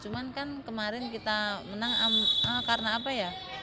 cuman kan kemarin kita menang karena apa ya